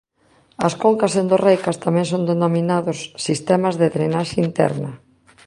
As concas endorreicas tamén son denominados "sistemas de drenaxe interna".